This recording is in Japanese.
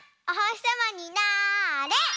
おほしさまになれ！